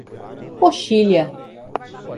Coxilha